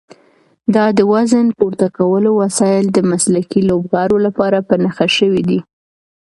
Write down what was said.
دا د وزن پورته کولو وسایل د مسلکي لوبغاړو لپاره په نښه شوي دي.